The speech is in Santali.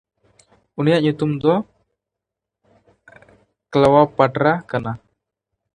ᱩᱱᱤᱭᱟᱜ ᱧᱩᱛᱩᱢ ᱫᱚ ᱠᱞᱮᱣᱯᱟᱴᱨᱟ ᱠᱟᱱᱟ᱾